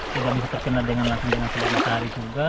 bisa bisa terkena dengan langsing langsingan matahari juga